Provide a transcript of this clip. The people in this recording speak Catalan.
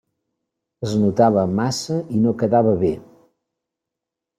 Es notava massa i no quedava bé.